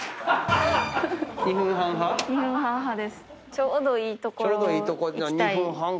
ちょうどいいところいきたい。